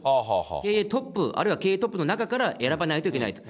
経営トップ、あるいは経営トップの中から選ばないといけないと。